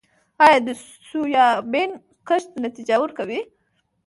آیا د سویابین کښت نتیجه ورکړې؟